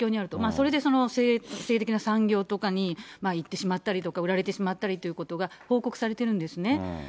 それで性的な産業とかに行ってしまったりとか、売られてしまったりとかが報告されているんですね。